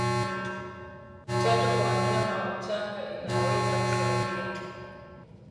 Chanjo kwa wanyama wachanga inaweza kusaidia